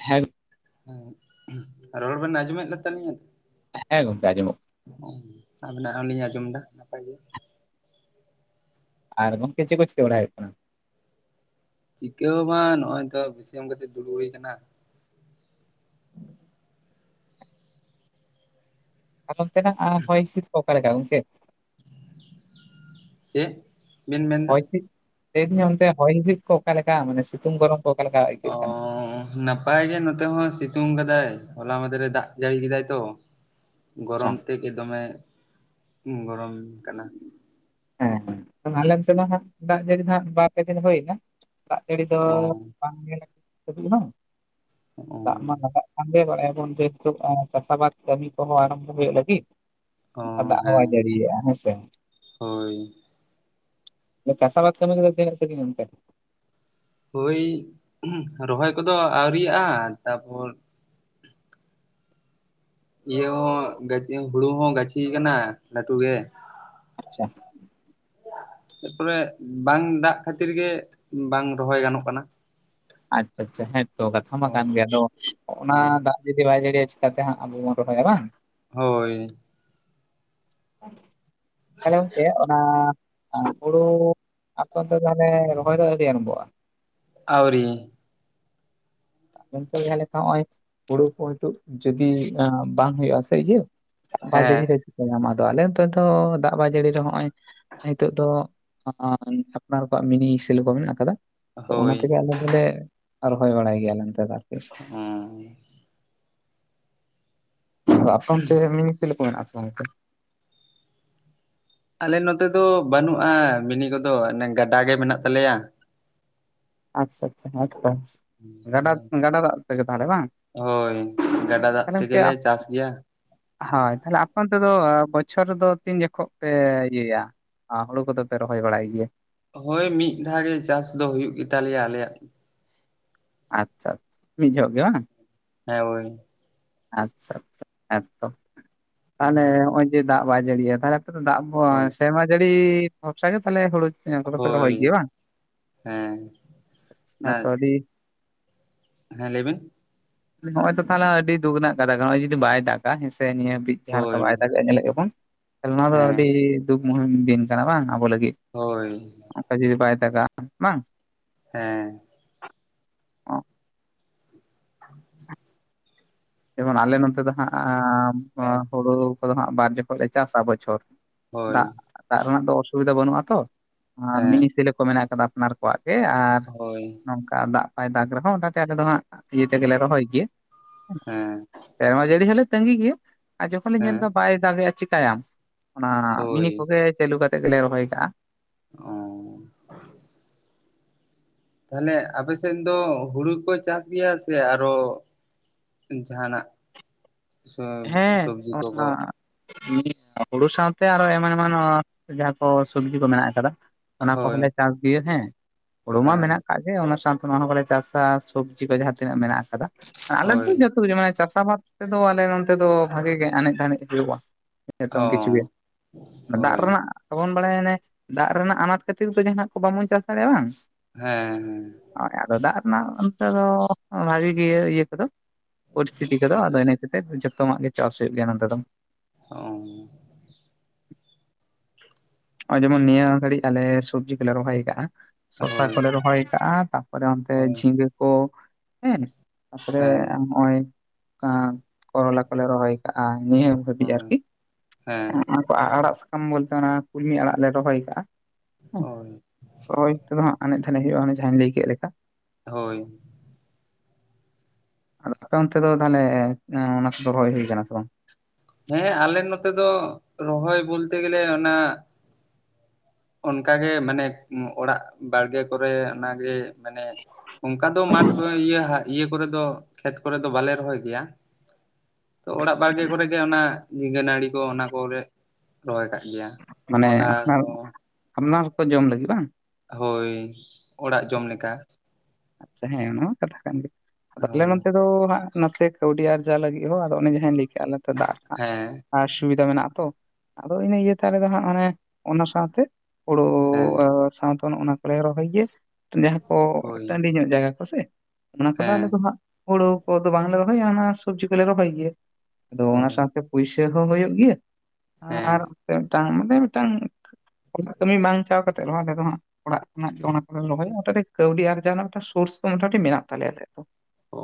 ᱦᱮᱸ ᱨᱚᱲ ᱵᱮᱱ ᱟᱸᱡᱚᱢᱮᱫ ᱞᱮᱛᱟᱞᱤᱧᱟ ᱦᱮᱸ ᱜᱚᱢᱠᱮ ᱟᱸᱡᱚᱢᱚᱜ ᱟᱵᱮᱱᱟᱜ ᱦᱚᱸᱞᱤᱧ ᱟᱸᱡᱚᱢᱫᱟ ᱱᱟᱯᱚᱭ ᱜᱮ᱾ ᱟᱨ ᱜᱚᱢᱠᱮ ᱪᱮᱫ ᱠᱚ ᱪᱤᱠᱟᱹ ᱵᱟᱲᱟᱭ ᱦᱩᱭᱩᱜ ᱠᱟᱱᱟ? ᱪᱤᱠᱟᱹ ᱦᱚᱸ ᱵᱟᱝ ᱱᱚᱜᱼᱚᱭ ᱛᱚ ᱵᱮᱥᱤ ᱮᱢ ᱠᱟᱛᱮᱜ ᱫᱩᱲᱩᱵ ᱦᱩᱭ ᱟᱠᱟᱱᱟ᱾ [inaudible] [unintelligible] ᱚᱱᱛᱮᱱᱟᱜ ᱦᱚᱭ ᱦᱤᱥᱤᱫ ᱠᱚ ᱚᱠᱟ ᱞᱮᱠᱟ ᱜᱚᱢᱠᱮ? ᱪᱮᱫ? ᱵᱤᱱ ᱢᱮᱱᱫᱟ? ᱦᱚᱭ ᱦᱤᱥᱤᱫ ᱞᱟᱹᱭᱮᱫᱟᱧ ᱚᱱᱛᱮ ᱦᱚᱭ ᱦᱤᱸᱥᱤᱫ ᱠᱚ ᱚᱠᱟᱞᱮᱠᱟ ᱢᱟᱱᱮ ᱥᱤᱛᱩᱝ ᱜᱚᱨᱚᱢ ᱠᱚ ᱚᱠᱟ ᱞᱮᱠᱟ ᱚ ᱟᱹᱭᱠᱟᱹᱜ ᱠᱟᱱᱟ? ᱱᱟᱯᱟᱭ ᱜᱮ ᱱᱚᱛᱮ ᱦᱚᱸ ᱥᱤᱛᱩᱝ ᱠᱟᱫᱟᱭ ᱦᱚᱞᱟ ᱢ ᱢᱟᱽᱫᱷᱮ ᱨᱮ ᱫᱟᱜ ᱡᱟᱹᱲᱤ ᱠᱮᱫᱟᱭ ᱛᱚ ᱟᱪᱪᱷᱟ ᱜᱚᱨᱚᱢ ᱛᱮ ᱜᱮ ᱫᱚᱢᱮ ᱜᱚᱨᱚᱢ ᱠᱟᱱᱟ ᱦᱮᱸ ᱦᱮᱸ ᱟᱞᱮᱮᱱ ᱥᱮᱫ ᱫᱚ ᱦᱜ ᱫᱟᱜ ᱡᱟᱹᱲᱤ ᱦᱜ ᱵᱟᱨᱯᱮ ᱫᱤᱱ ᱦᱩᱭᱱᱟ ᱫᱟᱜ ᱡᱟᱹᱲᱤ ᱫᱚ ᱚ ᱵᱟᱝ ᱧᱮ ᱫᱷᱟᱹᱵᱤᱡ ᱚ ᱵᱟᱝ [inaudible] ᱮ [inaudible] ᱢᱚᱱᱫᱷᱮ ᱪᱟᱥ ᱟᱵᱟᱫ ᱠᱟᱹᱢᱤ ᱠᱚᱦᱚᱸ ᱟᱨᱟᱢᱵᱷᱚ ᱦᱩᱭᱩᱜ ᱞᱟᱹᱜᱤᱫ ᱚ ᱟᱨ ᱫᱟᱜᱦᱚ ᱦᱮᱸ ᱵᱟᱭ ᱡᱟᱲᱤᱭᱮᱜ-ᱟ ᱦᱮᱸ ᱥᱮ [unintelligible] ᱪᱟᱥᱟᱵᱟᱫ ᱠᱟᱹᱢᱤ ᱠᱚ ᱫᱚ ᱛᱤᱱᱟᱹᱜ ᱥᱟᱹᱜᱤᱧ ᱜᱚᱢᱠᱮ ᱦᱳᱭ ᱨᱚᱦᱚᱭ ᱠᱚᱫᱚ ᱟᱹᱣᱨᱤᱭᱟᱜᱼᱟ ᱛᱟᱨᱯᱚᱨ ᱤᱭᱟᱹ ᱦᱚᱸ ᱦᱩᱲᱩ ᱦᱚᱸ ᱜᱟᱹᱪᱷᱤ ᱠᱟᱱᱟ ᱞᱟᱹᱴᱩ ᱜᱮ ᱟᱪᱪᱷᱟ [unintelligible] ᱮᱨᱯᱚᱨᱮ ᱵᱟᱝ ᱫᱟᱜ ᱠᱷᱟᱹᱛᱤᱨ ᱜᱮ ᱵᱟᱝ ᱨᱚᱦᱚᱭ ᱜᱟᱱᱚᱜ ᱠᱟᱱᱟ ᱟᱪᱷᱟ ᱟᱪᱷᱟ ᱦᱮᱸᱛᱚ ᱠᱟᱛᱷᱟ ᱢᱟ ᱠᱟᱱ ᱦᱳᱭ ᱜᱮᱭᱟ ᱛ ᱚᱱᱟ ᱦᱳᱭ ᱫᱟᱜ ᱡᱩᱫᱤ ᱵᱟᱭ ᱡᱟᱲᱤᱭᱟ ᱪᱤᱠᱟᱹᱛᱮ ᱦᱟᱹᱜ ᱟᱵᱚᱵᱚᱱ ᱨᱚᱦᱚᱭᱟ ᱵᱟᱝ ᱦᱳᱭ ᱦᱮᱞᱳ ᱜᱚᱝᱠᱮ ᱚᱱᱟ ᱟᱨ ᱦᱩᱲᱩ ᱟᱯᱮ ᱚᱱᱛᱮ ᱫᱚ ᱛᱟᱦᱞᱮ ᱨᱚᱦᱚᱭ ᱫᱚ ᱟᱹᱰᱤ ᱟᱵᱷᱚᱜᱼᱟ [unintelligible] ᱟᱯᱮᱚᱱᱛᱮ ᱫᱚ ᱡᱟᱦᱟᱸ ᱞᱮᱠᱟ ᱱᱚᱜᱼᱚᱭ ᱦᱩᱲᱩ ᱠᱚ ᱡᱩᱫᱤ ᱵᱟᱝ ᱦᱩᱭᱩᱜᱼᱟ ᱥᱮ ᱤᱭᱟᱹ ᱫᱟᱜ ᱦᱮᱸ ᱵᱟᱭᱡᱟᱹᱲᱤ ᱨᱮ ᱫᱚ ᱪᱮᱠᱟᱭᱟᱢ ᱟᱫᱚ ᱟᱞᱮ ᱱᱚᱛᱮ ᱫᱚ ᱫᱟᱜ ᱵᱟᱭᱡᱟᱹᱲᱤ ᱨᱮ ᱦᱚ ᱱᱚᱜᱼᱚᱭ ᱱᱤᱛᱚᱜ ᱫᱚ ᱟᱯᱱᱟᱨ ᱠᱚᱣᱟᱜ ᱢᱤᱱᱤᱥᱤᱞᱚ ᱠᱚ ᱢᱮᱱᱟᱜ ᱟᱠᱟᱫᱟ ᱛᱚ ᱚᱱᱟ ᱦᱳᱭ ᱛᱮᱜᱮ ᱟᱞᱮ ᱫᱚᱞᱮ ᱨᱚᱦᱚᱭ ᱵᱟᱲᱟᱭ ᱜᱮᱭᱟᱞᱮ ᱱᱚᱛᱮ ᱫᱚ ᱟᱨᱠᱤ ᱟᱫᱚ ᱚᱸ ᱟ ᱪ ᱢ ᱥᱤ ᱠᱚᱮᱱ ᱟᱪ [unintelligible] ᱟᱞᱮ ᱱᱚᱛᱮ ᱫᱚ ᱵᱟᱹᱱᱩᱜᱼᱟ ᱢᱤᱱᱤ ᱠᱚᱫᱚ ᱚᱱᱮ ᱜᱟᱰᱟ ᱜᱮ ᱢᱮᱱᱟᱜ ᱛᱟᱞᱮᱭᱟ ᱟᱪᱪᱷᱟ ᱟᱪᱪᱷᱟ ᱟᱪᱪᱷᱟ ᱜᱟᱰᱟ ᱦᱮᱸ ᱜᱟᱰᱟ ᱫᱟᱜ ᱛᱟᱦᱞᱮ ᱵᱟᱝ ᱦᱳᱭ ᱜᱟᱰᱟ ᱫᱟᱜ ᱛᱟᱦᱞᱮ ᱜᱚᱢᱠᱮ ᱛᱮᱜᱮᱞᱮ ᱟᱯᱮ ᱪᱟᱥ ᱜᱮᱭᱟ ᱚᱱᱛᱮ ᱫᱚ ᱟ ᱫᱚ ᱵᱚᱪᱷᱚᱨ ᱨᱮᱫᱚ ᱛᱤᱱ ᱡᱚᱠᱷᱚᱱ ᱯᱮ ᱤᱭᱟᱹᱭᱟ ᱦᱩᱲᱩ ᱠᱚᱫᱚ ᱯᱮ ᱨᱚᱦᱚᱭ ᱵᱟᱲᱟᱭ ᱜᱮᱭᱟ ᱦᱳᱭ ᱢᱤᱫ ᱫᱷᱟᱣ ᱜᱮ ᱪᱟᱥ ᱫᱚ ᱦᱩᱭᱩᱜ ᱜᱮᱛᱟᱞᱮᱭᱟ ᱟᱞᱮᱭᱟᱜ ᱟᱪᱪᱷᱟ ᱟᱪᱪᱷᱟ ᱢᱤᱫ ᱡᱚᱦᱚᱜ ᱜᱮ ᱵᱟᱝ ᱦᱮᱸ ᱦᱳᱭ [inaudible] ᱟᱪᱪᱷᱟ ᱟᱪᱪᱷᱟ ᱮᱛᱚ ᱛᱟᱦᱚᱞᱮ ᱦᱳᱭ ᱱᱚᱜᱼᱚᱭ ᱡᱮ ᱫᱟᱜ ᱵᱟᱭ ᱡᱟᱹᱲᱤᱭᱟᱤᱭᱟ ᱛᱟᱦᱚᱞᱮ ᱫᱟᱜ ᱠᱚ ᱦᱳᱭ ᱥᱮᱢᱟ ᱡᱟᱹᱲᱤ ᱯᱷᱚᱠᱥ ᱜᱮ ᱛᱟᱦᱚᱞᱮ ᱦᱩᱲᱩ ᱮᱞ ᱠᱚᱫᱚ ᱯᱮ ᱦᱳᱭ ᱨᱚᱦᱚᱭ ᱜᱮᱭᱟ ᱵᱟᱝ ᱦᱮᱸ ᱚᱱᱟ ᱦᱮᱸᱛᱚ ᱟᱹᱰᱤ ᱦᱮᱸ ᱞᱟᱹᱭ ᱵᱤᱱ ᱱᱚᱜᱼᱚᱭ ᱛᱚ ᱛᱟᱦᱚᱞᱮ ᱟᱹᱰᱤ ᱫᱩᱠ ᱨᱮᱱᱟᱜ ᱠᱟᱛᱷᱟ ᱱᱚᱜᱚᱭ ᱡᱩᱫᱤ ᱵᱟᱭ ᱫᱟᱜᱟ ᱦᱮᱸ ᱥᱮ ᱱᱤᱭᱟᱹ ᱵᱤᱫ ᱡᱟᱦᱟᱸ ᱞᱮᱠᱟ ᱦᱳᱭ ᱵᱟᱭ ᱫᱟᱜᱮᱜᱼᱟ ᱧᱮᱞᱮᱫ ᱜᱮᱵᱚᱱ ᱠᱷ ᱱᱚᱣᱟ ᱫᱚ ᱦᱮᱸ ᱟᱹᱰᱤ ᱫᱩᱠ ᱢᱩᱦᱤᱢ ᱫᱤᱱ ᱠᱟᱱᱟ ᱵᱟᱝ ᱟᱵᱚ ᱞᱟᱹᱜᱤᱫ ᱦᱳᱭ ᱚᱱᱠᱟ ᱡᱩᱫᱤ ᱵᱟᱭ ᱫᱟᱜᱟ ᱵᱟᱝ ᱦᱮᱸ ᱚ [inaudible] [unintelligible] ᱡᱮᱢᱚᱱ ᱟᱞᱮ ᱱᱚᱛᱮ ᱫᱚ ᱦᱟᱸᱜ ᱦᱮᱸ ᱦᱩᱲᱩ ᱠᱚᱫᱚ ᱦᱟᱸᱜ ᱵᱟᱨ ᱡᱚᱠᱷᱚᱱ ᱞᱮ ᱪᱟᱥᱟ ᱵᱚᱪᱷᱚᱨ ᱦᱳᱭ ᱫᱟᱜ ᱫᱟᱜ ᱨᱮᱱᱟᱜ ᱫᱚ ᱚᱥᱩᱵᱤᱫᱟ ᱵᱟᱹᱱᱩᱜᱼᱟᱛᱚ ᱦᱮᱸ ᱢᱤᱱᱤᱥᱤᱯᱚ ᱠᱚ ᱢᱮᱱᱟᱜ ᱠᱟᱫᱟ ᱟᱯᱱᱟᱨ ᱠᱚᱣᱟᱜ ᱟᱨ ᱦᱳᱭ ᱱᱚᱝᱠᱟ ᱫᱟᱜ ᱯᱟᱭ ᱫᱟᱜᱽ ᱨᱮᱦᱚᱸ ᱚᱱᱟᱛᱮ ᱟᱞᱮ ᱫᱚ ᱦᱟᱸᱜ ᱥᱤᱭᱟᱹ ᱛᱮᱜᱮᱞᱮ ᱨᱚᱦᱚᱭ ᱜᱮᱭᱟ ᱦᱮᱸ ᱥᱮᱨᱢᱟ ᱡᱟᱹᱲᱤ ᱦᱚᱸᱞᱮ ᱛᱟᱹᱜᱤ ᱜᱮᱭᱟ ᱟᱨ ᱡᱚᱠᱷᱚᱱ ᱞᱮ ᱧᱮᱞᱫᱟ ᱦᱮᱸ ᱵᱟᱭ ᱫᱟᱜᱮᱜᱼᱟ ᱪᱤᱠᱟᱭᱟᱢ ᱚᱱᱟ ᱢᱤᱱᱤ ᱦᱳᱭ ᱠᱚᱜᱮ ᱪᱟᱹᱞᱩ ᱠᱟᱛᱮᱫ ᱜᱮᱞᱮ ᱨᱚᱦᱚᱭ ᱠᱟᱜᱼᱟ ᱚ ᱛᱟᱦᱞᱮ ᱟᱯᱮ ᱥᱮᱫ ᱫᱚ ᱦᱩᱲᱩ ᱠᱚ ᱪᱟᱥ ᱜᱮᱭᱟ ᱥᱮ ᱟᱨᱚ ᱡᱟᱦᱟᱱᱟᱜ ᱦᱮᱸ ᱥᱚᱵᱡᱤ ᱚᱱᱟ ᱠᱚᱠᱚ ᱦᱩᱲᱩ ᱥᱟᱶᱛᱮ ᱟᱨᱚ ᱮᱢᱟᱱ ᱮᱢᱟᱱ ᱡᱟᱦᱟᱸ ᱠᱚ ᱥᱚᱵᱡᱤ ᱠᱚ ᱢᱮᱱᱟᱜ ᱟᱠᱟᱫᱟ ᱚᱱᱟ ᱦᱳᱭ ᱠᱚᱦᱚᱸᱞᱮ ᱪᱟᱥ ᱜᱮᱭᱟ ᱦᱮᱸ ᱦᱩᱲᱩ ᱢᱟ ᱦᱮᱸ ᱢᱮᱱᱟᱜ ᱟᱠᱟᱟᱜ ᱜᱮ ᱚᱱᱟ ᱥᱟᱶᱛᱮ ᱚᱱᱟ ᱦᱚᱸ ᱠᱚᱞᱮ ᱪᱟᱥᱟ ᱥᱚᱵᱽᱡᱤ ᱠᱚ ᱡᱟᱦᱟᱸ ᱛᱤᱱᱟᱹᱜ ᱢᱮᱱᱟᱜ ᱟᱠᱟᱫᱟ ᱟᱞᱮ ᱦᱳᱭ ᱫᱚ ᱡᱚᱛᱚᱮ ᱢᱟᱱᱮ ᱪᱟᱥ ᱟᱵᱟᱫ ᱛᱮᱫᱚ ᱟᱞᱮ ᱱᱚᱱᱚᱛ ᱫᱚ ᱵᱷᱟᱜᱤ ᱜᱮ ᱮᱱᱮᱡ ᱫᱷᱟᱱᱮᱡ ᱦᱩᱭᱩᱜᱼᱟ᱾ ᱚ ᱱᱤᱛᱚᱝ ᱠᱤᱪᱷᱩ ᱜᱮ ᱫᱟᱜ ᱦᱳᱭ ᱨᱮᱱᱟᱜᱵᱚᱱ ᱵᱟᱲᱟᱭ ᱮᱱᱟ ᱫᱟᱜ ᱨᱮᱱᱟᱜ ᱟᱱᱟᱴ ᱠᱷᱟᱹᱛᱤᱨ ᱫᱚ ᱡᱟᱦᱟᱱᱟᱜ ᱠᱚ ᱵᱟᱵᱚᱱ ᱪᱟᱥ ᱫᱟᱲᱮᱭᱟᱜᱼᱟ ᱵᱟᱝ ᱦᱮᱸ ᱦᱮᱸ ᱚᱱᱟ ᱚᱱᱛᱮ ᱫᱚ ᱵᱷᱟᱜᱤ ᱜᱮ ᱤᱭᱟᱹ ᱠᱚᱫᱚ ᱯᱚᱨᱤᱥᱛᱷᱤᱛᱤ ᱠᱚᱫᱚ ᱦᱮᱸ ᱟᱫᱚ ᱤᱱᱟᱹ ᱠᱟᱛᱤᱨ ᱡᱚ ᱡᱚᱛᱚᱢᱟᱜ ᱜᱮ ᱪᱟᱥ ᱦᱩᱭᱩᱜ ᱜᱮᱭᱟ᱾ ᱱᱚᱛᱮ ᱫᱚ ᱚ ᱱᱚᱜᱚᱭ ᱡᱮᱢᱚᱱ ᱱᱤᱭᱟᱹ ᱜᱷᱟᱹᱲᱤᱡ ᱟᱞᱮ ᱥᱚᱵᱽᱡᱤ ᱠᱚᱞᱮ ᱨᱚᱦᱚᱭ ᱠᱟᱜᱼᱟ, ᱥᱚᱥᱟ ᱦᱳᱭ ᱠᱚᱞᱮ ᱨᱚᱦᱚᱭ ᱠᱟᱜᱼᱟ᱾ ᱛᱟᱯᱚᱨᱮ ᱚᱱᱛᱮ ᱦᱳᱭ ᱡᱷᱤᱸᱜᱟᱹ ᱠᱚ ᱦᱮᱸ ᱛᱟᱯᱚᱨᱮ ᱦᱮᱸ ᱱᱚᱜᱼᱚᱭ ᱠᱚᱨᱚᱞᱟ ᱠᱚᱞᱮ ᱨᱚᱦᱚᱭ ᱠᱟᱜᱼᱟ᱾ ᱱᱤᱭᱟᱹ ᱦᱟᱹᱵᱤᱡ ᱦᱳᱭ ᱟᱨᱠᱤ ᱦᱮᱸ ᱚᱱᱟ ᱟᱲᱟᱜ ᱥᱟᱠᱟᱢ ᱵᱚᱞᱛᱮ ᱚᱱᱟ ᱠᱩᱞᱢᱤ ᱟᱲᱟᱜ ᱞᱮ ᱨᱚᱦᱚᱭ ᱠᱟᱜᱼᱟ ᱦᱳᱭ ᱦᱳᱭ ᱛᱚᱵᱮ ᱦᱟᱸᱜ ᱟᱱᱮᱡ ᱫᱷᱟᱱᱮᱡ ᱦᱩᱭᱩᱜᱼᱟ ᱡᱟᱦᱟᱸᱧ ᱞᱟᱹᱭ ᱠᱮᱫ ᱞᱮᱠᱟ᱾ ᱦᱳᱭ! ᱟᱫᱚ ᱟᱯᱮ ᱚᱱᱛᱮ ᱫᱚ ᱛᱟᱦᱟᱞᱮ ᱚᱱᱟ ᱠᱚ ᱨᱚᱦᱚᱭ ᱦᱩᱭ ᱠᱟᱱᱟ ᱥᱮ ᱵᱟᱝ? ᱦᱮᱸ ᱟᱞᱮ ᱱᱚᱛᱮ ᱫᱚ ᱨᱚᱦᱚᱭ ᱵᱚᱞᱛᱮ ᱜᱮᱞᱮ ᱚᱱᱟ ᱚᱱᱠᱟᱜᱮ ᱢᱟᱱᱮ ᱚᱲᱟᱜ ᱵᱟᱲᱜᱮ ᱠᱚᱨᱮ ᱚᱱᱟᱜᱮ ᱢᱟᱱᱮ ᱚᱱᱠᱟ ᱫᱚ ᱢᱟᱴᱷ ᱤᱭᱟᱹ ᱤᱭᱟᱹ ᱠᱚᱨᱮ ᱫᱚ ᱠᱷᱮᱛ ᱠᱚᱨᱮ ᱫᱚ ᱵᱟᱞᱮ ᱨᱚᱦᱚᱭ ᱜᱮᱭᱟ᱾ ᱛᱚ ᱚᱲᱟᱜ ᱵᱟᱲᱜᱮ ᱠᱚᱨᱮᱜᱮ ᱚᱱᱟ ᱜᱮᱭᱟ ᱢᱟᱱᱮ ᱠᱚᱸᱰᱷᱟ ᱟᱯᱱᱟᱨ ᱠᱚ ᱟᱯᱱᱟᱨ ᱠᱚ ᱡᱚᱢ ᱞᱟᱹᱜᱤᱫ ᱵᱟᱝ? ᱦᱳᱭ ᱚᱲᱟᱜ ᱡᱚᱢ ᱞᱮᱠᱟ᱾ ᱟᱪᱪᱷᱟ ᱦᱮᱸ ᱚᱱᱟ ᱦᱚ ᱠᱟᱛᱷᱟ ᱠᱟᱱ ᱜᱮᱭᱟ ᱟᱫᱚ ᱟᱞᱮ ᱦᱳᱭ ᱱᱚᱛᱮ ᱫᱚ ᱱᱟᱜ ᱱᱟᱥᱮ ᱠᱟᱹᱣᱰᱤ ᱟᱨᱡᱟᱣ ᱞᱟᱹᱜᱤᱫ ᱦᱚᱸ ᱟᱫᱚ ᱚᱱᱮ ᱡᱟᱦᱟᱸᱟᱧ ᱞᱟᱹᱭ ᱠᱮᱜᱼᱟ᱾ ᱫᱟᱜ ᱨᱮᱱᱟᱜ ᱦᱮᱸ ᱟᱥᱩᱵᱤᱫᱟ ᱢᱮᱱᱟᱜᱼᱟ ᱛᱚ᱾ ᱟᱫᱚ ᱤᱱᱟᱹ ᱤᱭᱟᱹ ᱛᱮ ᱟᱞᱮᱫᱚ ᱦᱟᱸᱜ ᱢᱟᱱᱮ ᱚᱱᱟ ᱥᱟᱶᱛᱮ ᱦᱩᱲᱳ ᱦᱮᱸ ᱟᱨ ᱥᱟᱶᱛᱮ ᱚᱱ ᱚᱱᱟ ᱠᱚᱞᱮ ᱨᱚᱦᱚᱭ ᱜᱮᱭᱟ ᱡᱟᱦᱟᱸ ᱠᱚ ᱦᱳᱭ ᱴᱟᱺᱰᱤ ᱧᱚᱜ ᱡᱟᱭᱜᱟ ᱠᱚᱥᱮ ᱚᱱᱟ ᱠᱚᱫᱚ ᱦᱮᱸ ᱟᱞᱮ ᱫᱚ ᱦᱟᱸᱜ ᱦᱩᱲᱩ ᱠᱚᱫᱚ ᱵᱟᱝᱞᱮ ᱨᱚᱦᱚᱭᱭᱟ ᱦᱟᱱᱟ ᱥᱚᱵᱽᱡᱤ ᱠᱚᱞᱮ ᱨᱚᱦᱚᱭ ᱜᱮᱭᱟ᱾ ᱟᱫᱚ ᱚᱱᱟ ᱦᱳᱭ ᱥᱟᱶᱛᱮ ᱯᱩᱭᱥᱟᱹ ᱦᱚᱸ ᱦᱩᱭᱩᱜ ᱜᱮᱭᱟ ᱦᱮᱸ ᱟᱨ ᱚᱱᱛᱮ ᱢᱤᱫᱴᱟᱝ ᱢᱟᱱᱮ ᱢᱤᱫᱴᱟᱝ ᱚᱲᱟᱜ ᱠᱟᱹᱢᱤ ᱵᱟᱝ ᱪᱟᱣ ᱠᱟᱛᱮ ᱨᱮᱦᱚᱸ ᱟᱞᱮ ᱫᱚ ᱦᱟᱸᱜ ᱚᱲᱟᱜ ᱚᱱᱟᱜ ᱚᱱᱟ ᱠᱚᱞᱮ ᱨᱚᱦᱚᱭᱟ ᱠᱟᱹᱣᱰᱤ ᱟᱨᱡᱟᱣ ᱨᱮᱱᱟᱜ ᱢᱤᱫᱴᱟᱝ ᱥᱳᱨᱥ ᱢᱳᱴᱟᱢᱩᱴᱤ ᱢᱮᱱᱟᱜ ᱛᱟᱞᱮᱭᱟ ᱟᱞᱮᱭᱟᱜ ᱫᱚ᱾ ᱚ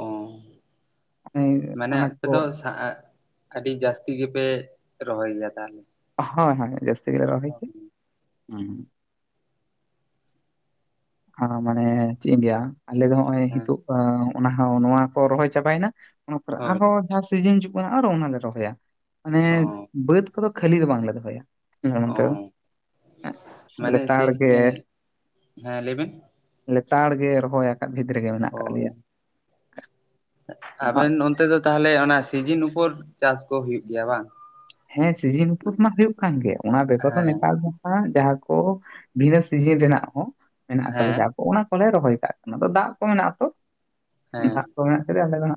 ᱚᱱᱮ ᱢᱟᱱᱮ ᱟᱱᱟᱡ ᱟᱯᱮ ᱠᱚ ᱫᱚ ᱟᱹᱰᱤ ᱡᱟᱹᱥᱛᱤ ᱜᱮᱯᱮ ᱨᱚᱦᱚᱭ ᱜᱮᱭᱟ ᱛᱟᱦᱟᱞᱮ᱾ ᱦᱳᱭ ᱦᱳᱭ ᱡᱟᱹᱥᱛᱤ ᱜᱮᱞᱮ ᱨᱚᱦᱚᱭ ᱠᱮᱜ᱾ ᱩᱸ᱾ ᱦᱚᱸ ᱢᱟᱱᱮ ᱪᱮᱫ ᱤᱧ ᱞᱟᱹᱭᱟ ᱟᱞᱮ ᱫᱚ ᱦᱚᱸᱜᱼᱚᱭ ᱦᱮᱸ ᱱᱤᱛᱚᱜ ᱟᱸ ᱚᱱᱟ ᱦᱚᱸ ᱱᱚᱣᱟ ᱠᱚ ᱨᱚᱦᱚᱭ ᱪᱟᱵᱟᱭᱮᱱᱟ ᱚᱱᱟ ᱯᱚᱨᱮ ᱦᱳᱭ ᱟᱨᱦᱚᱸ ᱡᱟᱦᱟᱸ ᱥᱤᱡᱤᱱ ᱦᱤᱡᱩᱜ ᱠᱟᱱᱟ ᱟᱨᱦᱚ ᱚᱱᱟᱞᱮ ᱨᱚᱦᱚᱭᱟ᱾ ᱢᱟᱱᱮ ᱚ ᱵᱟᱹᱫᱽ ᱠᱚᱫᱚ ᱠᱷᱟᱹᱞᱤ ᱫᱚ ᱵᱟᱝᱞᱮ ᱫᱚᱦᱚᱭᱟ᱾ ᱚ ᱚᱱᱛᱮ ᱫᱚ? ᱢᱟᱱᱮ ᱥᱤ ᱞᱮᱛᱟᱲ ᱜᱮ! ᱦᱮᱸ ᱞᱟᱹᱭ ᱵᱮᱱ ᱞᱮᱛᱟᱲ ᱜᱮ ᱨᱚᱦᱚᱭ ᱟᱠᱟᱫ ᱵᱷᱮᱛ ᱨᱮᱜᱮ ᱢᱮᱱᱟᱜ ᱠᱟᱜ ᱦᱳᱭ ᱞᱮᱭᱟ᱾ ᱟᱫᱚ ᱦᱟᱸᱜ ᱟᱵᱮᱱ ᱦᱮᱸ ᱥᱤᱡᱤᱱ ᱩᱯᱚᱨ ᱢᱟ ᱦᱩᱭᱩᱜ ᱠᱟᱱ ᱜᱮᱭᱟ ᱚᱱᱟ ᱵᱮᱜᱚᱨ ᱦᱚᱸ ᱫᱚ ᱦᱮᱸ ᱡᱟᱦᱟᱸ ᱠᱚ ᱵᱷᱤᱱᱟᱹ ᱥᱤᱡᱤᱱ ᱨᱮᱱᱟᱜ ᱦᱚᱸ ᱢᱮᱱᱟᱜ ᱟᱠᱟᱫᱟ ᱦᱮᱸ ᱡᱟᱦᱟᱸ ᱠᱚ ᱚᱱᱟ ᱞᱮ ᱨᱚᱦᱚᱭ ᱠᱟᱜ ᱠᱟᱱᱟ, ᱟᱫᱚ ᱫᱟᱜ ᱠᱚ ᱢᱮᱱᱟᱜᱼᱟ᱾ ᱛᱚ ᱦᱮᱸ ᱫᱟᱜ ᱠᱚ ᱢᱮᱱᱟᱜ ᱟᱞᱮ ᱫᱚ ᱦᱟᱸᱜ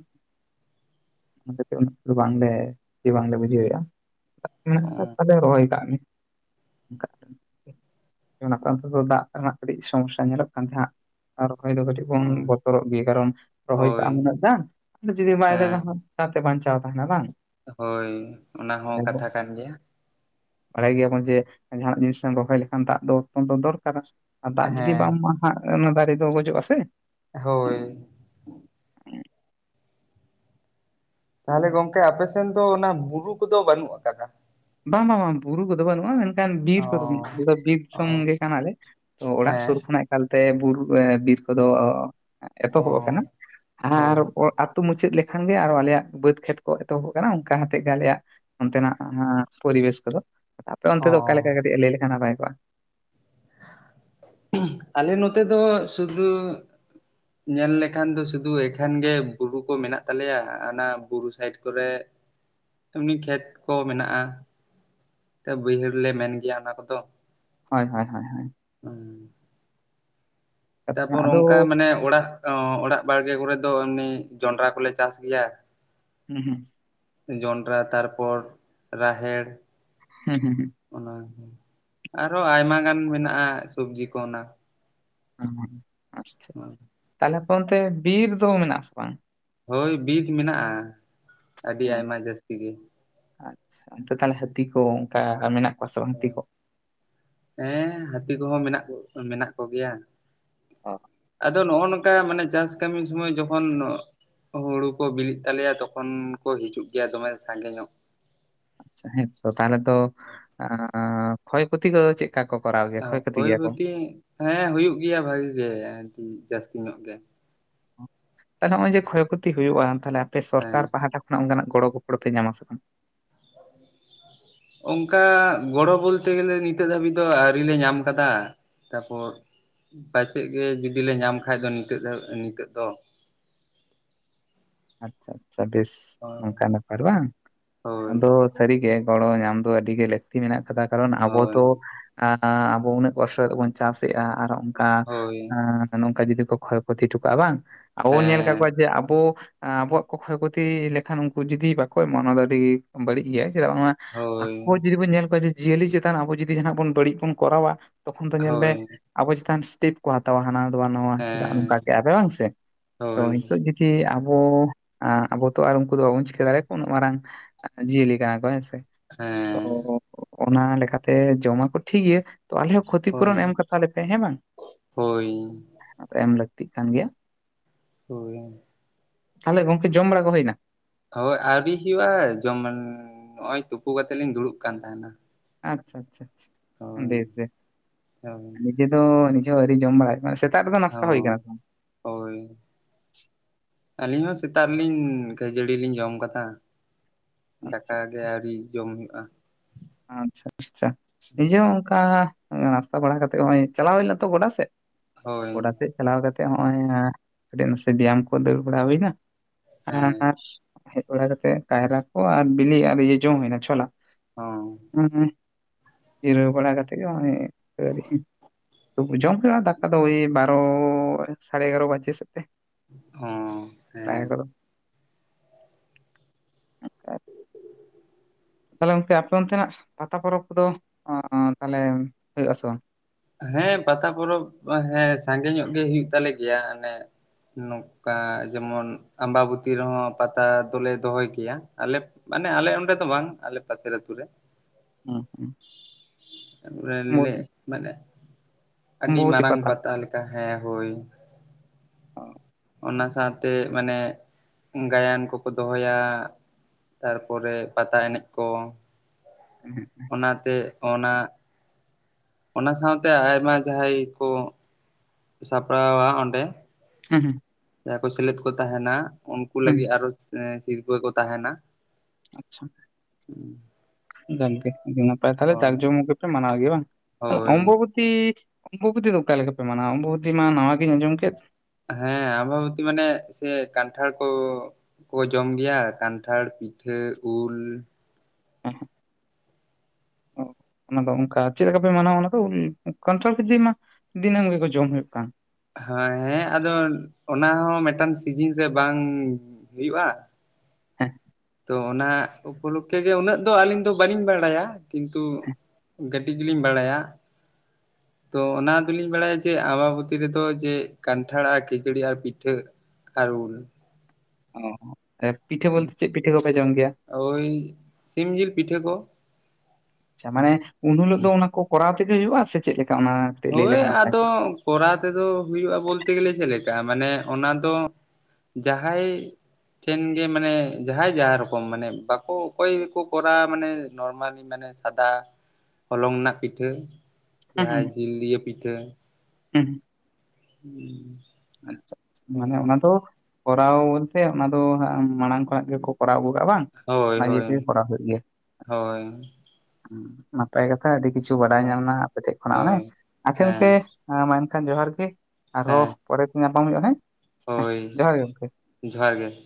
ᱵᱟᱝᱞᱮ ᱵᱟᱝᱞᱮ ᱵᱩᱡᱷᱟᱹᱣ ᱮᱜᱼᱟ᱾ ᱞᱮ ᱨᱚᱦᱚᱭ ᱠᱟᱜ ᱜᱮ ᱚᱱᱛᱮ ᱫᱚ ᱫᱟᱜ ᱨᱮᱱᱟᱜ ᱠᱟᱹᱴᱤᱡ ᱥᱚᱢᱚᱥᱥᱟ ᱧᱮᱞᱚᱜ ᱠᱟᱱ ᱛᱟᱦᱮᱸᱫ ᱟᱨᱦᱚ ᱨᱚᱦᱚᱭ ᱫᱚ ᱠᱟᱹᱴᱤᱡ ᱵᱚᱱ ᱵᱚᱛᱚᱨᱚᱜ ᱜᱮ ᱠᱟᱨᱚᱱ ᱨᱚᱦᱚᱭ ᱠᱟᱜ ᱦᱳᱭ ᱟᱢ ᱩᱱᱟᱜ ᱜᱟᱱ ᱡᱩᱫᱤ ᱵᱟᱭ ᱫᱟᱜᱟ ᱦᱮᱸ ᱦᱚ ᱛᱟᱣ ᱛᱟᱦᱮᱱᱟ ᱵᱟᱝ ᱦᱳᱭ ᱚᱱᱟᱦᱚ ᱛᱟᱦᱚᱞᱮ ᱵᱚᱱ ᱠᱟᱛᱷᱟ ᱠᱟᱱ ᱜᱮᱭᱟ ᱵᱟᱲᱟᱭ ᱜᱮᱭᱟᱵᱚᱱ ᱡᱮ ᱡᱟᱦᱟᱱᱟᱜ ᱡᱤᱱᱤᱥ ᱮᱢ ᱨᱚᱦᱚᱭ ᱞᱮᱠᱷᱟᱱ ᱫᱟᱜ ᱫᱚ ᱩᱱ ᱫᱚᱨᱠᱟᱨᱟ ᱟᱨ ᱫᱟᱜ ᱡᱩᱫᱤ ᱦᱮᱸ ᱵᱟᱢ ᱟᱢᱟᱜ-ᱟ ᱦᱟᱸᱜ ᱚᱱᱟ ᱫᱟᱨᱮ ᱫᱚ ᱜᱚᱡᱚᱜ ᱟᱥᱮ ᱦᱳᱭ ᱛᱟᱦᱚᱞᱮ ᱜᱚᱝᱠᱮ ᱟᱯᱮ ᱥᱮᱱ ᱫᱚ ᱚᱱᱟ ᱵᱩᱨᱩ ᱠᱚᱫᱚ ᱵᱟᱹᱱᱩᱜ ᱠᱟᱫᱟ ᱵᱟᱝ ᱵᱟᱝ ᱵᱟᱝ ᱵᱩᱨᱩ ᱠᱚᱫᱚ ᱵᱟᱹᱱᱩᱜᱼᱟ ᱢᱮᱱ ᱟᱱ ᱵᱤᱨ ᱚ ᱠᱚᱫᱚ ᱟᱞᱮ ᱫᱚ ᱵᱤᱨ ᱚ ᱥᱚᱝᱜᱮ ᱠᱟᱱᱟᱞᱮ ᱛᱚ ᱚᱲᱟᱜ ᱦᱮᱸ ᱥᱩᱨ ᱠᱷᱚᱱᱟᱜ ᱮᱠᱟᱞ ᱛᱮ ᱵᱩᱨᱩ ᱵᱤᱨ ᱠᱚᱫᱚ ᱚ ᱮᱛᱚᱦᱚᱵ ᱟᱠᱟᱱᱟ ᱟᱨ ᱦᱳᱭ ᱢᱩᱪᱟᱹᱫ ᱞᱮᱠᱷᱟᱱ ᱜᱮ ᱟᱨᱚ ᱟᱞᱮᱭᱟᱜ ᱵᱟᱹᱫᱽ ᱠᱷᱮᱛ ᱠᱚ ᱮᱛᱚᱦᱚᱵ ᱠᱟᱱᱟ ᱚᱱᱠᱟᱛᱮᱜ ᱜᱮ ᱟᱞᱮᱭᱟᱜ ᱚᱱᱛᱮᱱᱟᱜ ᱯᱚᱨᱤᱵᱮᱥ ᱠᱚᱫᱚ ᱟᱯᱮ ᱚᱱᱛᱮ ᱚ ᱫᱚ ᱚᱠᱟ ᱞᱮᱠᱟ ᱠᱟᱹᱴᱤᱡ ᱞᱟᱹᱭ ᱞᱮᱠᱷᱟᱱ ᱱᱟᱯᱟᱭ ᱠᱚᱜᱼᱟ ᱟᱞᱮ ᱱᱚᱛᱮ ᱫᱚ ᱥᱩᱫᱷᱩ ᱧᱮᱞ ᱞᱮᱠᱷᱟᱱ ᱫᱚ ᱥᱩᱫᱷᱩ ᱮᱠᱷᱟᱱ ᱜᱮ ᱵᱩᱨᱩ ᱠᱚ ᱢᱮᱱᱟᱜ ᱛᱟᱞᱮᱭᱟ ᱚᱱᱟ ᱵᱩᱨᱩ ᱥᱟᱭᱤᱰ ᱠᱚᱨᱮ ᱮᱢᱱᱤ ᱠᱷᱮᱛ ᱠᱚ ᱢᱮᱱᱟᱜᱼᱟ ᱵᱟᱹᱭᱦᱟᱹᱲ ᱨᱮᱞᱮ ᱢᱮᱱ ᱜᱮᱭᱟ ᱚᱱᱟ ᱠᱚᱫᱚ ᱦᱳᱭ ᱦᱳᱭ ᱦᱳᱭ ᱦᱳᱭ ᱦᱮᱸ [inaudible] ᱠᱟᱛᱷᱟ ᱠᱟᱱᱟ ᱛᱟᱯᱚᱨ ᱟᱫᱚ ᱚᱱᱠᱟ ᱢᱟᱱᱮ ᱚᱲᱟᱜ ᱚᱲᱟᱜ ᱵᱟᱲᱜᱮ ᱠᱚᱨᱮ ᱫᱚ ᱮᱢᱱᱤ ᱡᱚᱱᱰᱨᱟ ᱠᱚᱞᱮ ᱪᱟᱥ ᱜᱮᱭᱟ ᱦᱮᱸ ᱦᱮᱸ [unintelligible] ᱡᱚᱱᱰᱨᱟ ᱛᱟᱨᱯᱚᱨ ᱨᱟᱦᱮᱲ ᱦᱩᱸ ᱦᱩᱸ ᱦᱩᱸ ᱚᱱᱟ ᱟᱨᱚ ᱟᱭᱢᱟ ᱜᱟᱱ ᱢᱮᱱᱟᱜᱼᱟ ᱥᱚᱵᱡᱤ ᱠᱚ ᱚᱱᱟ ᱟᱪᱷᱟᱷᱟ ᱛᱟᱦᱞᱮ ᱯᱷ ᱚᱱᱛᱮ ᱵᱤᱨ ᱫᱚ ᱢᱮᱱᱟᱜ ᱟᱥᱮ ᱵᱟᱝ ᱦᱳᱭ ᱵᱤᱨᱤᱫ ᱢᱮᱱᱟᱜᱼᱟ ᱟᱹᱰᱤ ᱟᱭᱢᱟ ᱡᱟᱹᱥᱛᱤ ᱜᱮ ᱛᱮ ᱛᱟᱦᱚᱞᱮ ᱦᱟᱹᱛᱤ ᱠᱚ ᱚᱱᱠᱟ ᱢᱮᱱᱟᱜ ᱠᱚᱣᱟ ᱥᱮ ᱵᱟᱝ ᱦᱟᱹᱛᱤ ᱠᱚ ᱦᱮᱸ ᱦᱟᱹᱛᱤ ᱠᱚᱦᱚᱸ ᱢᱮᱱᱟᱜ ᱢᱮᱱᱟᱜ ᱠᱚᱜᱮᱭᱟ ᱚ ᱟᱫᱚ ᱱᱚᱜᱼᱚ ᱱᱚᱝᱠᱟ ᱢᱟᱱᱮ ᱪᱟᱥ ᱠᱟᱹᱢᱤ ᱥᱚᱢᱚᱭ ᱡᱚᱠᱷᱚᱱ ᱦᱩᱲᱩ ᱠᱚ ᱵᱤᱞᱤᱜ ᱛᱟᱞᱮᱭᱟ ᱛᱚᱠᱷᱚᱱ ᱠᱚ ᱦᱤᱡᱩᱜ ᱜᱮᱭᱟ ᱫᱚᱢᱮ ᱥᱟᱸᱜᱮ ᱧᱚᱜ ᱠᱷᱚᱭᱯᱚᱛᱤ ᱠᱚ ᱪᱮᱫ ᱠᱷᱭ ᱵᱚᱛᱤ ᱦᱮᱸ ᱦᱩᱭᱩᱜ ᱜᱮᱭᱟ ᱵᱷᱟᱜᱤ ᱜᱮ ᱡᱟᱹᱥᱛᱤ ᱧᱚᱜ ᱜᱮ ᱛᱟᱦᱚᱞᱮ ᱱᱚᱜᱼᱚᱭ ᱡᱮ ᱠᱷᱚᱭ ᱠᱷᱚᱛᱤ ᱦᱩᱭᱩᱜᱼᱟ ᱛᱟᱦᱚᱞᱮ ᱟᱯᱮ ᱦᱮᱸ ᱥᱚᱨᱠᱟᱨ ᱯᱟᱦᱴᱟ ᱠᱷᱚᱱᱟᱜ ᱚᱱᱠᱟᱱᱟᱜ ᱜᱚᱲᱚ ᱜᱚᱯᱚᱲᱚ ᱯᱮ ᱧᱟᱢᱟ ᱥᱮ ᱵᱟᱝ ᱚᱱᱠᱟ ᱜᱚᱲᱚ ᱵᱚᱞᱛᱮ ᱜᱮᱞᱮ ᱱᱤᱛᱚᱜ ᱫᱷᱟᱹᱵᱤᱡ ᱫᱚ ᱟᱹᱣᱤᱞ ᱞᱮ ᱧᱟᱢ ᱟᱠᱟᱫᱟ ᱛᱟᱨᱯᱚᱨ ᱯᱟᱪᱮᱫ ᱜᱮ ᱡᱚᱫᱤ ᱞᱮ ᱧᱟᱢ ᱠᱷᱟᱱ ᱫᱚ ᱱᱤᱛᱚᱜ ᱫᱚ [inaudible] ᱟᱪᱷᱟ ᱟᱪᱪᱷᱟ ᱵᱮᱥ ᱱᱚᱝᱠᱟ ᱱᱟᱯᱟᱭ ᱵᱟᱝ ᱦᱳᱭ ᱟᱫᱚ ᱥᱟᱹᱨᱤᱜᱮ ᱜᱚᱲᱚ ᱧᱟᱢ ᱫᱚ ᱟᱹᱰᱤ ᱜᱮ ᱞᱟᱹᱠᱛᱤ ᱢᱮᱱᱟᱜ ᱟᱠᱟᱫᱟ ᱠᱟᱨᱚᱱ ᱟᱵᱚ ᱦᱳᱭ ᱫᱚ ᱟᱵᱚ ᱩᱱᱟᱹᱜ ᱠᱚᱥᱴᱚ ᱠᱟᱛᱮ ᱵᱚᱱ ᱪᱟᱥ ᱮᱼᱟ ᱟᱨ ᱚᱱᱠᱟ ᱦᱳᱭ ᱱᱚᱝᱠᱟ ᱡᱩᱫᱤ ᱠᱷᱚᱭ ᱠᱷᱚᱛᱤ ᱦᱚᱴᱚ ᱠᱟᱜᱼᱟ ᱵᱟᱝ ᱟᱵᱚ ᱵᱚᱱ ᱧᱮᱞ ᱦᱮᱸ ᱠᱟᱫᱠᱚᱣᱟ ᱡᱮ ᱟᱵᱚ ᱟᱵᱚᱣᱟᱜ ᱠᱚ ᱠᱷᱚᱭ ᱠᱷᱚᱛᱤ ᱞᱮᱠᱷᱟᱱ ᱩᱱᱠᱩ ᱡᱩᱫᱤ ᱵᱟᱠᱚ ᱮᱢᱟ ᱚᱱᱟ ᱫᱚ ᱟᱹᱰᱤ ᱵᱟᱹᱲᱤᱡ ᱜᱮᱭᱟᱭ ᱪᱮᱫ ᱵᱟᱝ ᱦᱳᱭ ᱟᱠᱚ ᱡᱩᱫᱤ ᱵᱚᱱ ᱧᱮᱞ ᱠᱚᱣᱟ ᱡᱮ ᱡᱤᱭᱟᱹᱞᱤ ᱪᱮᱛᱟᱱ ᱟᱵᱚ ᱡᱩᱫᱤ ᱡᱟᱦᱱᱟᱜ ᱵᱚᱱ ᱵᱟᱹᱲᱤᱡ ᱵᱚᱱ ᱠᱚᱨᱟᱣᱟ ᱛᱚᱠᱷᱚᱱ ᱫᱚ ᱧᱮᱞ ᱢᱮ ᱦᱳᱭ ᱟᱵᱚ ᱪᱮᱛᱟᱱ ᱥᱴᱮᱯ ᱠᱚ ᱦᱟᱛᱟᱣᱟ ᱦᱟᱱᱟ ᱪᱮᱫᱟᱜ ᱦᱮᱸ ᱱᱚᱝᱠᱟ ᱠᱮᱫᱼᱟᱯᱮ ᱵᱟᱝ ᱥᱮ ᱛᱚ ᱦᱳᱭ ᱱᱤᱛᱚᱜ ᱡᱩᱫᱤ ᱟᱵᱚ ᱟᱵᱚ ᱛᱚ ᱟᱨ ᱩᱱᱠᱩ ᱫᱚ ᱵᱟᱵᱚᱱ ᱪᱤᱠᱟᱹ ᱫᱟᱲᱮᱭᱟᱠᱚ ᱩᱱᱟᱹᱜ ᱢᱟᱨᱟᱝ ᱡᱤᱭᱟᱹᱞᱤ ᱠᱟᱱᱟ ᱠᱚ ᱦᱮᱸ ᱥᱮ ᱛᱚ ᱦᱮᱸ ᱚᱱᱟ ᱞᱮᱠᱟᱛᱮ ᱡᱚᱢᱟ ᱠᱚ ᱴᱷᱤᱠ ᱜᱮᱭᱟ ᱛᱚ ᱟᱞᱮ ᱦᱚᱸ ᱦᱳᱭ ᱠᱷᱚᱛᱤᱯᱩᱨᱩᱨᱚᱱ ᱮᱢ ᱠᱟᱛᱟᱞ ᱞᱮᱯᱮ ᱦᱮᱸ ᱵᱟᱝ ᱦᱳᱭ ᱟᱫᱚ ᱮᱢ ᱞᱟᱹᱜᱤᱫ ᱞᱟᱹᱠᱛᱤᱜ ᱠᱟᱱ ᱜᱮᱭᱟ [inaudible] ᱦᱚᱭ [unintelligible] ᱛᱟᱦᱚᱞᱮ ᱜᱚᱢᱠᱮ ᱡᱚᱢ ᱵᱟᱲᱟ ᱠᱚ ᱦᱩᱭᱱᱟ? ᱦᱳᱭ ᱟᱹᱣᱨᱤ ᱦᱩᱭᱩᱜᱼᱟ ᱡᱮᱢᱚᱱ ᱱᱚᱜᱼᱚᱭ ᱛᱩᱯᱩ ᱠᱟᱛᱮᱫ ᱞᱤᱧ ᱫᱩᱲᱩᱵ ᱠᱟᱱ ᱛᱟᱦᱮᱸᱱᱟ᱾ ᱟᱪᱪᱷᱟ ᱟᱪᱪᱷᱟ ᱟᱪᱪᱷᱟ ᱵᱮᱥ ᱵᱮᱥ ᱦᱳᱭ ᱱᱤᱡᱮ ᱫᱚ ᱱᱤᱡᱮ ᱦᱚ ᱥᱟᱨᱤ ᱡᱚᱢ ᱵᱟᱲᱟᱭ ᱥᱮᱛᱟᱜ ᱨᱮᱫᱚ ᱱᱟᱥᱛᱟ ᱦᱩᱭ ᱚ ᱠᱟᱱᱟ [unintelligible] ᱦᱳᱭ ᱟᱹᱞᱤᱧ ᱦᱚᱸ ᱥᱮᱛᱟᱜ ᱨᱮᱞᱤᱧ ᱠᱷᱟᱹᱡᱟᱹᱲᱤ ᱞᱤᱧ ᱡᱚᱢ ᱠᱟᱫᱟ᱾ ᱟᱪᱪᱷᱟ ᱫᱟᱠᱟ ᱜᱮ ᱟᱹᱣᱨᱤ ᱡᱚᱢ ᱦᱩᱭᱩᱜᱼᱟ᱾ ᱟᱪᱪᱷᱟ ᱟᱪᱪᱷᱟ ᱱᱤᱡᱮ ᱦᱚᱸ ᱚᱱᱠᱟ ᱱᱟᱥᱛᱟ ᱵᱟᱲᱟ ᱠᱟᱛᱮᱜ ᱦᱚᱸᱚᱭ ᱪᱟᱞᱟᱣ ᱦᱩᱭ ᱞᱮᱱᱟ ᱛᱚ ᱜᱚᱰᱟ ᱥᱮᱫ ᱦᱳᱭ ᱜᱚᱰᱟ ᱥᱮᱫ ᱪᱟᱞᱟᱣ ᱠᱟᱛᱮᱜ ᱦᱚᱭᱚᱝ [unintelligible] ᱱᱟᱥᱮ ᱵᱮᱭᱟᱢ ᱠᱚ ᱫᱟᱹᱲ ᱵᱟᱲᱟ ᱦᱩᱭᱱᱟ ᱦᱮᱸ ᱟᱨ ᱦᱮᱡ ᱵᱟᱲᱟ ᱠᱟᱛᱮ ᱠᱟᱭᱨᱟ ᱠᱚ ᱟᱨ ᱵᱤᱞᱤ ᱟᱨ ᱤᱭᱟᱹ ᱡᱚᱢ ᱦᱩᱭᱱᱟ ᱪᱷᱳᱞᱟ᱾ ᱦᱚᱸ ᱡᱤᱨᱟᱹᱣ ᱵᱟᱲᱟ ᱠᱟᱛᱮ ᱱᱚᱭᱼᱚᱭ ᱤᱥᱤᱱ ᱛᱚᱵ ᱡᱚᱢ ᱦᱩᱭᱩᱜᱼᱟ ᱫᱟᱠᱟ ᱫᱚ ᱳᱭ ᱵᱟᱨᱚ ᱥᱟᱲᱮ ᱮᱜᱟᱨᱚ ᱵᱟᱡᱮ ᱥᱟᱡ ᱛᱮ ᱦᱚᱸ ᱦᱮᱸ ᱫᱟᱠᱟ ᱠᱚᱫᱚ [inaudible] ᱛᱟᱦᱞᱮ ᱜᱚᱢᱠᱮ ᱟᱯᱮ ᱚᱱᱛᱮᱱᱟᱜ ᱯᱟᱛᱟ ᱯᱚᱨᱚᱵᱽ ᱠᱚᱫᱚ ᱛᱟᱦᱮ ᱦᱩᱭᱩᱜ ᱟᱥᱮ ᱵᱟᱝ? ᱦᱮᱸ ᱯᱟᱛᱟ ᱯᱚᱨᱚᱵᱽ ᱦᱮᱸ ᱥᱟᱸᱜᱮ ᱧᱚᱜ ᱜᱮ ᱦᱩᱭᱩᱜ ᱛᱟᱞᱮ ᱜᱮᱭᱟ ᱚᱱᱮ ᱱᱚᱝᱠᱟ ᱡᱮᱢᱚᱱ ᱟᱢᱵᱟᱵᱚᱛᱤ ᱨᱮᱦᱚᱸ ᱯᱟᱛᱟ ᱫᱚᱞᱮ ᱫᱚᱦᱚᱭ ᱠᱮᱭᱟ ᱟᱞᱮ ᱢᱟᱱᱮ ᱟᱞᱮ ᱚᱸᱰᱮ ᱫᱚ ᱵᱟᱝ ᱟᱞᱮ ᱯᱟᱥᱮ ᱟᱹᱛᱩ ᱨᱮ ᱦᱮᱸ ᱦᱮᱸ ᱞᱮ ᱢᱟᱱᱮ ᱟᱹᱰᱤ ᱢᱟᱨᱟᱝ ᱯᱟᱛᱟ ᱞᱮᱠᱟ ᱦᱮᱸ ᱦᱳᱭ ᱚ ᱚᱱᱟ ᱥᱟᱶᱛᱮ ᱢᱟᱱᱮ ᱜᱟᱭᱟᱱ ᱠᱚᱠᱚ ᱫᱚᱦᱚᱭᱟ ᱛᱟᱨᱯᱚᱨᱮ ᱯᱟᱛᱟ ᱮᱱᱮᱡ ᱠᱚ ᱦᱮᱸ ᱚᱱᱟᱛᱮ ᱚᱱᱟ ᱚᱱᱟ ᱥᱟᱶᱛᱮ ᱟᱭᱢᱟ ᱡᱟᱦᱟᱸᱭ ᱠᱚ ᱥᱟᱯᱲᱟᱣᱟ ᱚᱸᱰᱮ ᱦᱮᱸ ᱦᱮᱸ ᱡᱟᱦᱟᱸᱭ ᱠᱚ ᱥᱮᱞᱮᱫ ᱠᱚ ᱛᱟᱦᱮᱱᱟ ᱩᱱᱠᱩ ᱦᱩᱸ ᱞᱟᱹᱜᱤᱫ ᱟᱨᱚ ᱥᱤᱨᱯᱟᱹ ᱠᱚ ᱛᱟᱦᱮᱱᱟ᱾ ᱟᱪᱪᱷᱟ᱾ ᱡᱟᱠ ᱜᱮ ᱟᱹᱰᱤ ᱱᱟᱯᱟᱭ ᱛᱟᱦᱞᱮ ᱡᱟᱸᱠ ᱦᱳᱭ ᱡᱚᱢ ᱢᱩᱠᱷ ᱜᱮᱯᱮ ᱢᱟᱱᱟᱣ ᱜᱮᱭᱟ ᱵᱟᱝ [unintelligible] ᱦᱳᱭ ᱚᱢᱵᱚᱵᱚᱛᱤ ᱚᱢᱵᱚᱵᱩᱛᱤ ᱫᱚ ᱚᱠᱟ ᱞᱮᱠᱟ ᱯᱮ ᱢᱟᱱᱟᱣᱟ ᱚᱢᱵᱚᱵᱩᱛᱤ ᱢᱟ ᱱᱟᱣᱟ ᱜᱤᱧ ᱟᱸᱡᱚᱢ ᱠᱮᱫ? ᱦᱮᱸ ᱟᱢᱟᱵᱚᱛᱤ ᱢᱟᱱᱮ ᱥᱮ ᱠᱟᱱᱴᱟᱲ ᱠᱚ ᱠᱚ ᱡᱚᱢ ᱜᱮᱭᱟ ᱠᱟᱱᱴᱷᱟᱲ ᱯᱤᱴᱷᱟᱹ ᱩᱞ [unintelligible] ᱦ [inaudible] ᱚᱱᱟ ᱫᱚ ᱚᱱᱠᱟ ᱪᱮᱫ ᱞᱮᱠᱟᱯᱮ ᱢᱟᱱᱟᱣᱟ ᱚᱱᱟ ᱫᱚ ᱠᱟᱱᱴᱷᱟᱲ ᱵᱤᱞᱤ ᱢᱟ ᱫᱤᱱᱟᱹᱢ ᱜᱮᱠᱚ ᱡᱚᱢ ᱦᱩᱭᱩᱜ ᱠᱟᱱ᱾ ᱦᱮᱸ ᱦᱮᱸ ᱟᱫᱚ ᱚᱱᱟ ᱦᱚᱸ ᱢᱤᱫᱴᱟᱱ ᱥᱤᱡᱤᱱ ᱨᱮ ᱵᱟᱝ ᱦᱩᱭᱩᱜᱼᱟ᱾ ᱦᱮᱸ ᱛᱚ ᱚᱱᱟ ᱩᱯᱚᱞᱚᱠᱠᱷᱮ ᱜᱮ ᱩᱱᱟᱹᱜ ᱫᱚ ᱟᱹᱞᱤᱧ ᱫᱚ ᱵᱟᱹᱞᱤᱧ ᱵᱟᱲᱟᱭᱟ ᱠᱤᱱᱛᱩ ᱦᱮᱸ ᱠᱟᱹᱴᱤᱡ ᱜᱮᱞᱤᱧ ᱵᱟᱲᱟᱭᱟ [inaudible] ᱛᱚ ᱚᱱᱟ ᱫᱚᱞᱤᱧ ᱵᱟᱲᱟᱭᱟ ᱡᱮ ᱟᱵᱟᱵᱚᱛᱤ ᱨᱮᱫᱚ ᱡᱮ ᱠᱟᱱᱴᱷᱟᱲ ᱟᱨ ᱠᱤᱡᱲᱤ ᱟᱨ ᱯᱤᱴᱷᱟᱹ ᱠᱟᱨᱩᱞ ᱚ ᱯᱤᱴᱷᱟᱹ ᱵᱚᱞᱛᱮ ᱪᱮᱫ ᱯᱤᱴᱷᱟᱹ ᱠᱚᱯᱮ ᱡᱚᱢ ᱜᱮᱭᱟ? ᱳᱭ ᱥᱤᱢ ᱡᱤᱞ ᱯᱤᱴᱷᱟᱹ ᱠᱚ ᱟᱪᱪᱷᱟ ᱢᱟᱱᱮ ᱩᱱ ᱦᱤᱞᱳᱜ ᱫᱚ ᱚᱱᱟ ᱠᱚ ᱠᱚᱨᱟᱣ ᱛᱮᱜᱮ ᱦᱩᱭᱩᱜᱼᱟ ᱥᱮ ᱪᱮᱫ ᱞᱮᱠᱟ ᱚᱱᱟ ᱠᱟᱹᱴᱤᱡ ᱞᱟᱹᱭ ᱦᱳᱭ ᱞᱮᱠᱷᱟᱱ ᱱᱟᱯᱟᱭ ᱟᱫᱚ ᱠᱚᱜᱼᱟ ᱠᱚᱨᱟᱣ ᱛᱮᱫᱚ ᱦᱩᱭᱩᱜᱼᱟ ᱵᱚᱞᱛᱮ ᱜᱮᱞᱮ ᱪᱮᱞ ᱞᱮᱠᱟ ᱢᱟᱱᱮ ᱚᱱᱟ ᱫᱚ ᱡᱟᱦᱟᱸᱭ ᱴᱷᱮᱱ ᱜᱮ ᱢᱟᱱᱮ ᱡᱟᱦᱟᱸᱭ ᱡᱟᱦᱟᱸ ᱨᱚᱠᱚᱢ ᱢᱟᱱᱮ ᱵᱟᱠᱚ ᱚᱠᱚᱭᱠᱚ ᱠᱚᱨᱟᱣ ᱢᱟᱱᱮ ᱱᱚᱨᱢᱟᱞᱤ ᱢᱟᱱᱮ ᱥᱟᱫᱟ ᱦᱚᱞᱚᱝ ᱨᱮᱱᱟᱜ ᱯᱤᱴᱷᱟᱹ ᱦᱮᱸ ᱦᱮᱸ [inaudible] ᱤᱭᱟ ᱯᱤᱴᱷᱟᱹ ᱦᱮᱸᱮᱸ [inaudible] [unintelligible] ᱦᱮᱸ ᱟᱪᱷᱟ ᱢᱟᱱᱮ ᱚᱱᱟ ᱫᱚ ᱠᱚᱨᱟᱣ ᱵᱚᱞᱛᱮ ᱚᱱᱟ ᱫᱚ ᱢᱟᱲᱟᱝ ᱠᱷᱚᱱᱟᱜ ᱜᱮᱠᱚ ᱠᱚᱨᱟᱣ ᱟᱹᱜᱩ ᱵᱟᱝ ᱦᱳᱭ ᱚᱱᱟ ᱤᱭᱟᱹ ᱦᱳᱭ ᱛᱮᱜᱮ ᱠᱚᱨᱟᱣ ᱠᱮᱫ ᱜᱮ ᱱᱟᱯᱟᱭ ᱠᱟᱛᱷᱟ ᱟᱹᱰᱤ ᱠᱤᱪᱷᱩ ᱵᱟᱰᱟᱭ ᱦᱳᱭ ᱧᱟᱢᱱᱟ ᱟᱯᱮᱴᱷᱮᱡ ᱠᱷᱚᱱᱟᱜ ᱟᱱᱮ ᱟᱪᱷᱟ ᱚᱱᱛᱮ ᱦᱮᱸ ᱮᱱᱠᱷᱟᱱ ᱡᱚᱦᱟᱨ ᱜᱮ ᱟᱨᱦᱚᱸ ᱦᱮᱸ ᱯᱚᱨᱮᱛᱮ ᱧᱟᱯᱟᱢ ᱦᱩᱭᱩᱜᱼᱟ ᱦᱮᱸ ᱦᱮᱸ ᱦᱳᱭ ᱡᱚᱦᱟᱨ ᱜᱮ ᱜᱚᱝᱠᱮ ᱡᱚᱦᱟᱨ ᱜᱮ